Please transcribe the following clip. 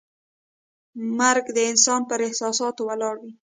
مرکه د انسان پر احساس ولاړه وي.